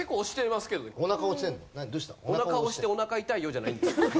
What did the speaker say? お腹押してお腹痛いよじゃないんです。